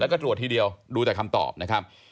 แล้วก็ตรวจทีเดียวดูแต่คำตอบนะครับ